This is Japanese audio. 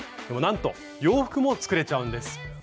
でもなんと洋服も作れちゃうんです。